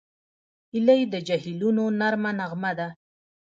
هیلۍ د جهیلونو نرمه نغمه ده